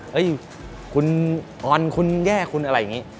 เฮ้ยคุณออนคุณแย่คุณอะไรอย่างนี้